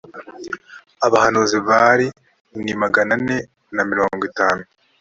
abahanuzi bali ni magana ane na mirongo itanu